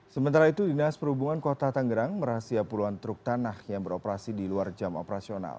sementara itu dinas perhubungan kota tangerang merahasia puluhan truk tanah yang beroperasi di luar jam operasional